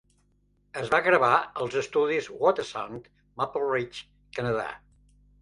Es va gravar als estudis Watersound, Maple Ridge, Canadà.